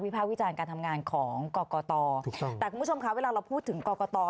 ภาควิจารณ์การทำงานของกรกตแต่คุณผู้ชมคะเวลาเราพูดถึงกรกต